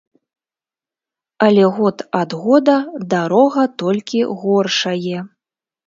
Але год ад года дарога толькі горшае.